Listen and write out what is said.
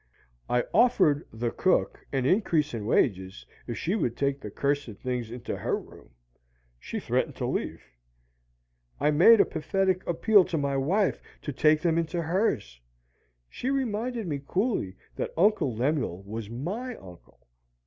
I offered the cook an increase in wages if she would take the cursed things into her room; she threatened to leave. I made a pathetic appeal to my wife to take them into hers; she reminded me coolly that Uncle Lemuel was my uncle.